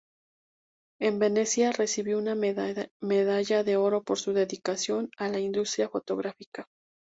En Venecia recibió una medalla de oro por su dedicación a la industria fotográfica.